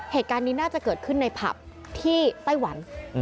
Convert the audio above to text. เหตุการณ์นี้น่าจะเกิดขึ้นในผับที่ไต้หวัน